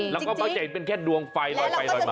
แล้วก็มักจะเห็นเป็นแค่ดวงไฟลอยไปลอยมา